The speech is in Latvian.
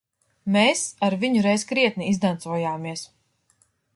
Mēs ar viņu reiz krietni izdancojāmies.